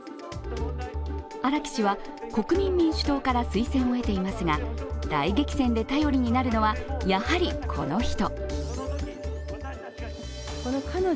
荒木氏は、国民民主党から推薦を得ていますが大激戦で頼りになるのはやはりこの人。